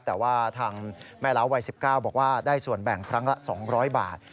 แต่ว่าทางแม่เล้าวัย๑๙บอกว่าได้ส่วนแบ่งครั้งละ๒๐๐บาท